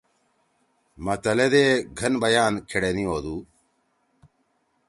متل ئے دے گھن بیان کھیڑینی ہودُو۔